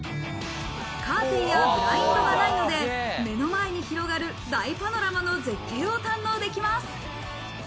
カーテンやブラインドがないので、目の前に広がる大パノラマの絶景を堪能できます。